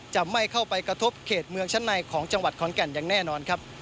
จะไม่เข้าไปกระทบเขตเมืองชั้นในของจังหวัดขอนแก่นอย่างแน่นอนครับ